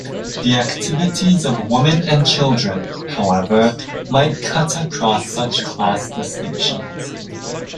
The activities of women and children, however, might cut across such class distinctions.